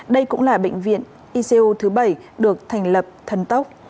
đây cũng là bệnh viện icu thứ bảy được thành lập thần tốc